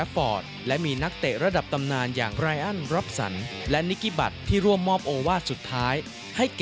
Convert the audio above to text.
ก็จะมีโอกาสมาได้